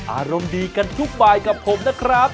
อารมณ์ดีกันทุกบายกับผมนะครับ